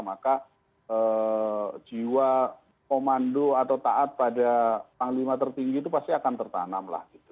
maka jiwa komando atau taat pada panglima tertinggi itu pasti akan tertanam lah gitu